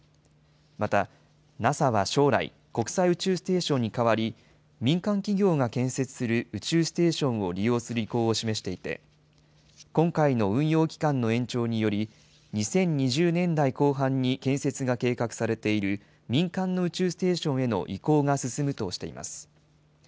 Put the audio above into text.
また、ＮＡＳＡは将来、国際宇宙ステーションに代わり、民間企業が建設する宇宙ステーションを利用する意向を示していて、今回の運用期間の延長により、２０２０年代後半に建設が計画されている、民間の宇宙ステーションへの移行が進むとしています。